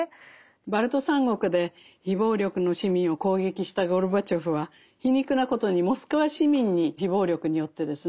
バルト三国で非暴力の市民を攻撃したゴルバチョフは皮肉なことにモスクワ市民に非暴力によってですね